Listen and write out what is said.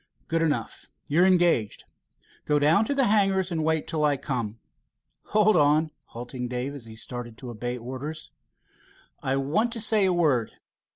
"Good enough. You're engaged. Go down to the hangars and wait till I come. Hold on," halting Dave, as he started to obey orders. "I want to say a word.